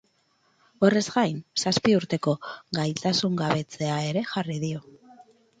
Horrez gain, zazpi urteko gaitasungabetzea ere jarri dio.